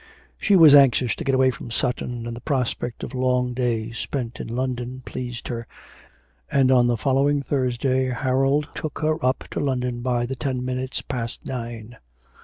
She was anxious to get away from Sutton, and the prospect of long days spent in London pleased her, and on the following Thursday Harold took her up to London by the ten minutes past nine.